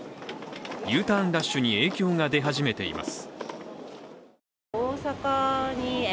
Ｕターンラッシュに影響が出始めています。